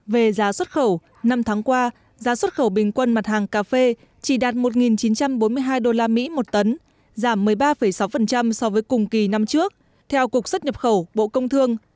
về giá xuất khẩu năm tháng qua giá xuất khẩu bình quân mặt hàng cà phê chỉ đạt một chín trăm bốn mươi hai usd một tấn giảm một mươi ba sáu so với cùng kỳ năm trước theo cục xuất nhập khẩu bộ công thương